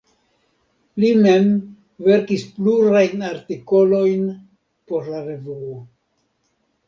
Li mem verkis plurajn artikolojn por la revuo.